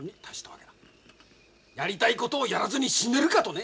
やりたいことをやらずに死ねるかとね。